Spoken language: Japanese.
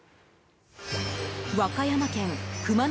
和歌山県熊野